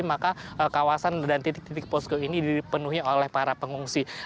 maka kawasan dan titik titik posko ini dipenuhi oleh para pengungsi